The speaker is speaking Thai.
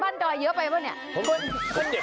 บ้านดอเยอะไปเปล่าเนี่ย